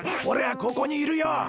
おれはここにいるよ！